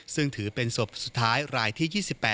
ซึ่งถือเป็นศพสุดท้ายรายที่๒๘